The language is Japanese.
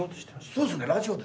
そうですね。